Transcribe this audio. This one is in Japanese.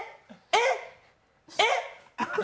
えっ、えっ！